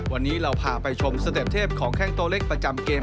วันนี้เราพาไปชมสเต็ปเทพของแข้งตัวเล็กประจำเกม